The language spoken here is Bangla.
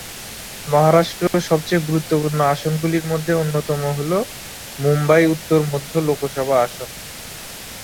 মহারাষ্ট্র সবচেয়ে গুরুত্বপূর্ণ আসনগুলির মধ্যে অন্যতম হল মুম্বাই উত্তর মধ্য লোকসভা আসন।